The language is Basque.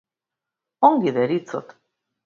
Ongi deritzot.